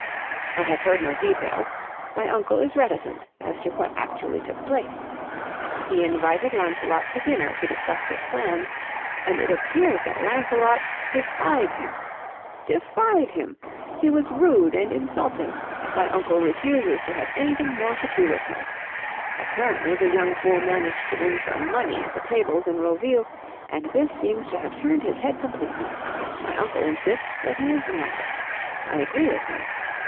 "I have heard no details. My uncle is reticent as to what actually took place. He invited Lancelot to dinner to discuss his plans, and it appears that Lancelot defied him. Defied him! He was rude and insulting. My uncle refuses to have anything more to do with him. Apparently the young fool managed to win some money at the tables at Roville, and this seems to have turned his head completely. My uncle insists that he is mad. I agree with him.